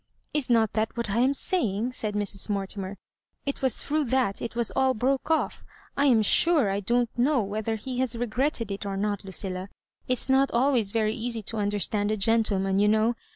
" Is not that what I am saying f * said Mrs. Mortimer. It was through that it was all broke off I am sure I don't know whether he has regretted it or not, Lucilla. It is fiot always very easy to understand a gentleman, you know.